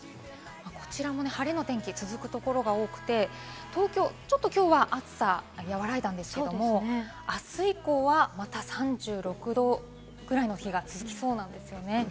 こちらも晴れの天気、続くところが多くて、ちょっときょうは暑さは、やわらいだんですけれども、あす以降はまた３６度くらいの日が続きそうなんですよね。